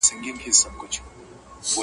تاسي یې وګوری مېلمه دی که شیطان راغلی؛